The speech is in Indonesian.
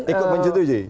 ikut menjuduh ji